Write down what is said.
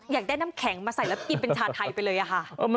อยากได้น้ำแข็งมาใส่แล้วกินเป็นชาไทยไปเลยอะค่ะ